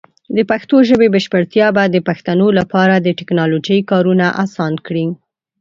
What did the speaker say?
د پښتو ژبې بشپړتیا به د پښتنو لپاره د ټیکنالوجۍ کارونه اسان کړي.